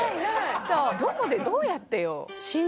どこでどうやってよ。